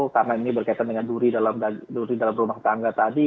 karena ini berkaitan dengan duri dalam rumah tangga tadi